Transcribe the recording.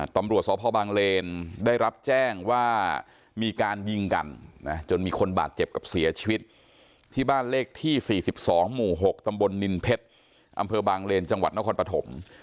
ตำรวจสพบางเลนได้รับแจ้งว่ามีการยิงกันนะจนมีคนบาดเจ็บกับเสียชีวิตที่บ้านเลขที่๔๒หมู่๖ตำบลนินเพชรอำเภอบางเลนจังหวัดนครปฐม